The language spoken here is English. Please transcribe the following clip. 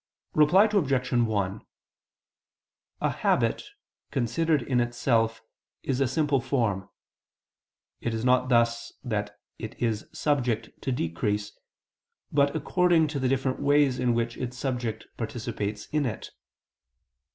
Reply Obj. 1: A habit, considered in itself, is a simple form. It is not thus that it is subject to decrease; but according to the different ways in which its subject participates in it.